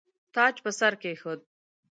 تاج پر سر کښېښود.